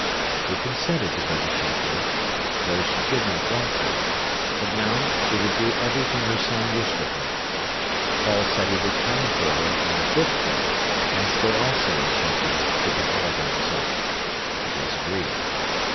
She consented to go to Sheffield, though she did not want to; but now she would do everything her son wished of her. Paul said he would come for her on the fifth day, and stay also in Sheffield till the holiday was up. It was agreed.